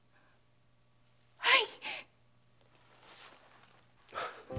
はい！